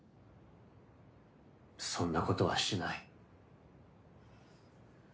・そんなことはしない。